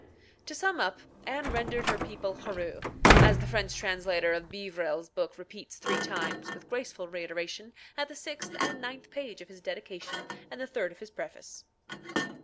To sum up, Anne rendered her people hureux, as the French translator of Beeverell's book repeats three times, with graceful reiteration at the sixth and ninth page of his dedication and the third of his preface.